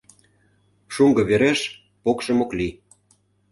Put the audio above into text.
Шуҥго вереш покшым ок лий.